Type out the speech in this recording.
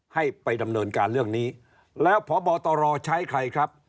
ให้ไปดำเนินการเรื่องนี้แล้วพบตรใช้ใครครับ